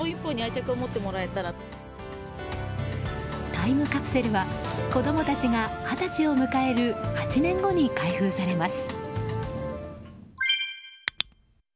タイムカプセルは子供たちが二十歳を迎える８年後に開封されます。